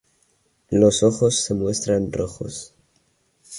Los ojos se muestran rojos.